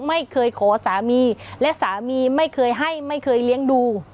ไม่เคยขอสามีและสามีไม่เคยให้ไม่เคยเลี้ยงดู